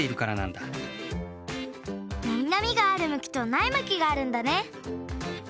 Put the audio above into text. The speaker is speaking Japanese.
なみなみがあるむきとないむきがあるんだね。